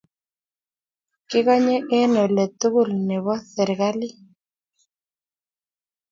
Kikonye eng' ole tugul nebo serikalit.